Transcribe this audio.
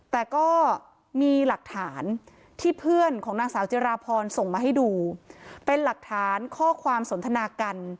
แต่ก็มีหลักฐานที่เพื่อนของนางสาวจิราพรส่งมาให้ดูเป็นหลักฐานข้อความสนทนากัน